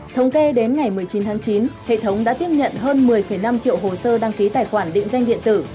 thống kê đến ngày một mươi chín tháng chín hệ thống đã tiếp nhận hơn một mươi năm triệu hồ sơ đăng ký tài khoản định danh điện tử